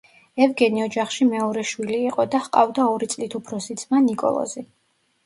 ევგენი ოჯახში მეორე შვილი იყო და ჰყავდა ორი წლით უფროსი ძმა, ნიკოლოზი.